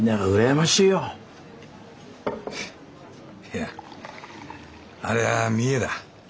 いやあれは見栄だ。